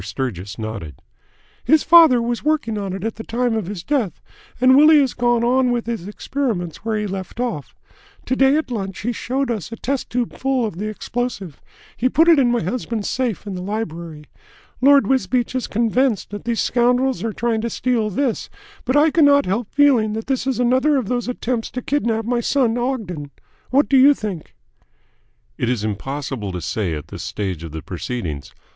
Sturgis nodded. "His father was working on it at the time of his death, and Willie has gone on with his experiments where he left off. To day at lunch he showed us a test tube full of the explosive. He put it in my husband's safe in the library. Lord Wisbeach is convinced that these scoundrels are trying to steal this, but I cannot help feeling that this is another of those attempts to kidnap my son Ogden. What do you think?" "It is impossible to say at this stage of the proceedings.